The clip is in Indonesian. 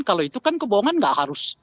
kalau itu kan kebohongan nggak harus